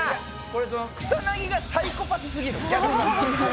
草薙がサイコパスすぎる、逆にもう。